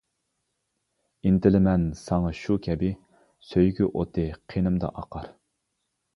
ئىنتىلىمەن ساڭا شۇ كەبى، سۆيگۈ ئوتى قېنىمدا ئاقار.